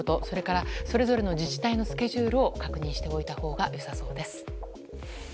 それから、それぞれの自治体のスケジュールを確認しておいたほうがよさそうです。